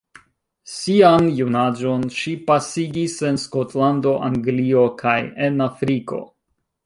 Sian junaĝon ŝi pasigis en Skotlando, Anglio kaj en Afriko.